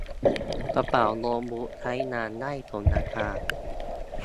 กระเป๋าโน๊ตบุ๊กใช้งานได้สมราคา